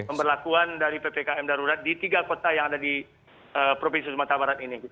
pemberlakuan dari ppkm darurat di tiga kota yang ada di provinsi sumatera barat ini